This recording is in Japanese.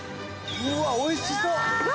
うわおいしそう。